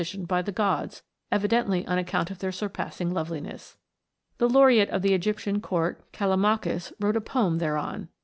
tion by the gods, evidently on account of their surpassing loveliness. The laureate of the Egyptian court, Callimachus, wrote a poem thereon.